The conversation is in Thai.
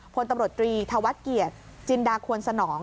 พลตำรวจตรีธวัฒน์เกียรติจินดาควรสนอง